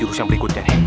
jurus yang berikutnya nih